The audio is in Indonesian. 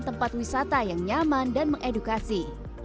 tempat wisata yang nyaman dan mengedukasi